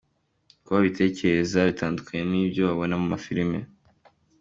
Uko babitekereza bitandukanye n’ibyo babona mu mafilime.